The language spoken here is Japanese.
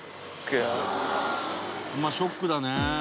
「ショックだね！」